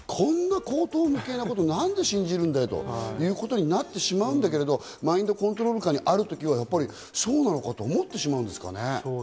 この文字だけ見たりすると、こんな荒唐無稽なことを何で信じるのかよ？となってしまうんだけれど、マインドコントロール下にある時は、そうなのかと思ってしまうんですかね。